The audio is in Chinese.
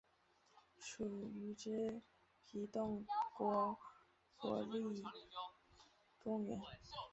属于支笏洞爷国立公园。